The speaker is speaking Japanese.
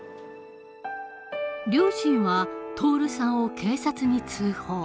両親は徹さんを警察に通報。